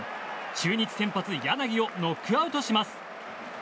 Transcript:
中日先発、柳をノックアウトします。